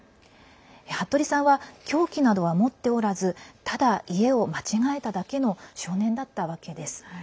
服部さんは凶器などは持っておらずただ、家を間違えただけの少年だったわけです。